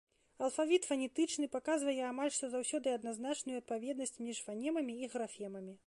Алфавіт фанетычны, паказвае амаль што заўсёды адназначную адпаведнасць між фанемамі й графемамі.